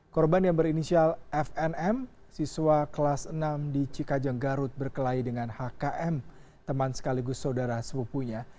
korban yang berinisial fnm siswa kelas enam di cikajeng garut berkelahi dengan hkm teman sekaligus saudara sepupunya